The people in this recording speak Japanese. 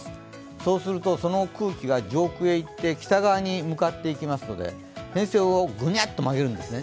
そうすると、その空気が上空へ行って北側へ向かっていきますので、偏西風をぐにゃっと曲げるんですね。